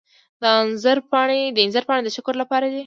د انځر پاڼې د شکر لپاره دي.